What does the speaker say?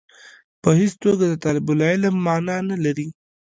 په هېڅ توګه د طالب العلم معنا نه لري.